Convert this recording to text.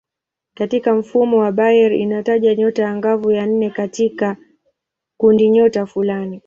Katika mfumo wa Bayer inataja nyota angavu ya nne katika kundinyota fulani.